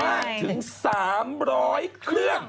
มากถึง๓๐๐เครื่อง